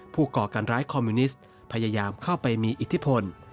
ก่อการร้ายคอมมิวนิสต์พยายามเข้าไปมีอิทธิพล